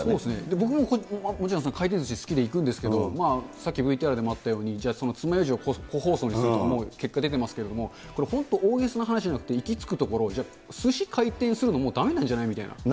僕ももちろん、回転ずし、好きで行くんですけど、さっきＶＴＲでもあったように、じゃあ、つまようじを個包装にするとか結果出てますけど、これ本当、大げさな話じゃなくて、行き着くところ、じゃあ、すし回転するのもだめなんじゃないみたいな。